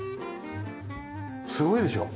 すごいでしょう？